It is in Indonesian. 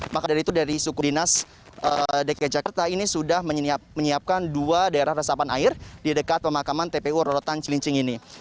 maka dari itu dari suku dinas dki jakarta ini sudah menyiapkan dua daerah resapan air di dekat pemakaman tpu rorotan cilincing ini